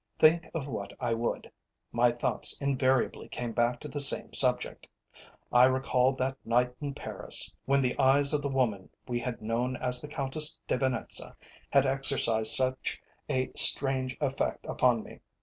Think of what I would, my thoughts invariably came back to the same subject. I recalled that night in Paris, when the eyes of the woman we had known as the Countess de Venetza had exercised such a strange effect upon me.